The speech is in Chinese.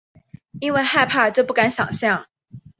因为害怕就不敢想像